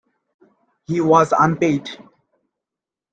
He was unpaid.